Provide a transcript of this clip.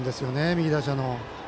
右打者の。